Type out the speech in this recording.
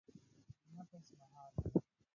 • نفس مهار کړه.